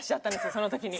その時に。